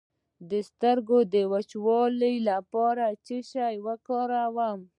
د سترګو د وچوالي لپاره باید څه وکاروم؟